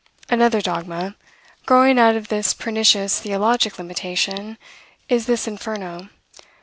Another dogma, growing out of this pernicious theologic limitation, is this Inferno.